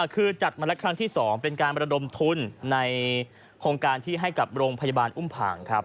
คือจัดมาแล้วครั้งที่๒เป็นการประดมทุนในโครงการที่ให้กับโรงพยาบาลอุ้มผ่างครับ